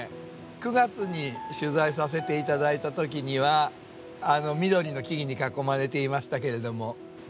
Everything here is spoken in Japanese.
９月に取材させて頂いた時には緑の木々に囲まれていましたけれども。